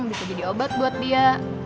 bisa jadi obat buat dia